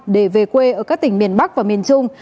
để về quê ở các tỉnh miền bắc và miền trung